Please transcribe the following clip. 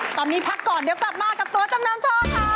ตอนนี้พักก่อนเดี๋ยวกลับมากับตัวจำนำโชคค่ะ